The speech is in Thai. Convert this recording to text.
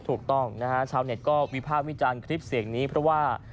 ถูกต้องนะฮะชาวเน็ตก็วิพากษ์วิจารณ์คลิปเสียงนี้เพราะว่า